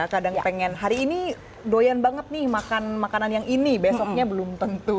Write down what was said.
kadang pengen hari ini doyan banget nih makan makanan yang ini besoknya belum tentu